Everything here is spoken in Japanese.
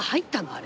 あれ。